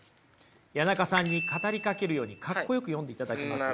谷中さんに語りかけるようにかっこよく読んでいただけます？